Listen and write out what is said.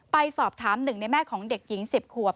ไปสอบถามหนึ่งในแม่ของเด็กหญิง๑๐ขวบ